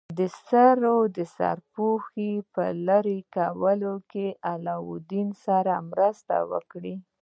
سړي د سرپوښ په لرې کولو کې له علاوالدین سره مرسته وکړه.